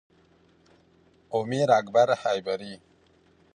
او میر اکبر خیبری